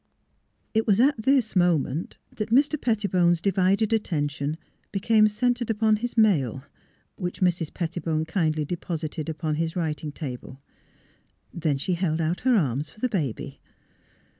It was at this moment that Mr. Pettibone's divided attention became centred upon his mail, which Mrs. Pettibone kindly deposited upon his writing table; then she held out her arms for the baby.